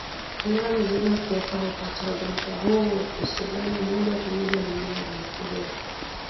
Mnyama mzima kiafya hupata ugonjwa huu kwa kugusana moja kwa moja na mnyama aliyeathiriwa